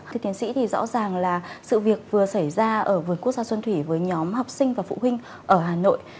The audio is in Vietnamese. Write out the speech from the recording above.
thưa tiến sĩ rõ ràng là sự việc vừa xảy ra với quốc gia xuân thủy với nhóm học sinh và phụ huynh ở hà nội